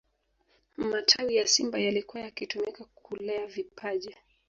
matawi ya simba yalikuwa yakitumika kulea vipaji